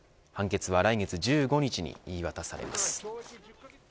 判決は来月１５日に言い渡されます。